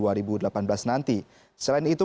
selain itu kenaikan peringkat surat utang indonesia